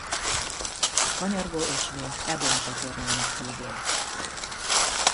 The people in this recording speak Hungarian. A kanyargó ösvényt Ebon-csatornának hívják.